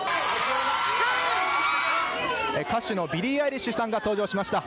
歌手のビリー・アイリッシュさんが登場しました。